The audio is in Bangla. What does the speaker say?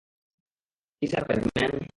কি সারপ্রাইজ ম্যান!